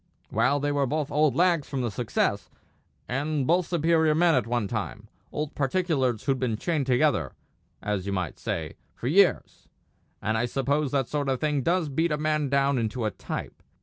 "Well, they were both old lags from the Success, and both superior men at one time; old particulars who'd been chained together, as you might say, for years; and I suppose that sort of thing does beat a man down into a type.